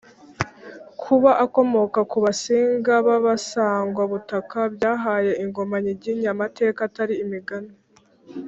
kuba akomoka ku Basinga b’Abasangwa-butaka, byahaye ingoma nyiginya amateka atari imigani.